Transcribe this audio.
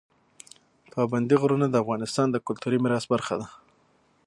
پابندی غرونه د افغانستان د کلتوري میراث برخه ده.